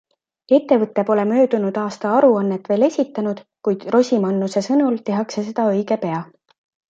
Ettevõte pole möödunud aasta aruannet veel esitanud, kuid Rosimannuse sõnul tehakse seda õige pea.